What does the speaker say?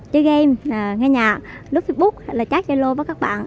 chơi game nghe nhạc lướt facebook chát chai lô với các bạn